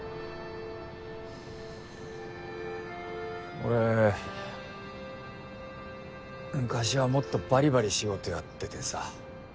俺昔はもっとバリバリ仕事やっててさ。